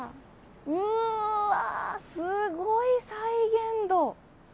うわ、すごい再現度！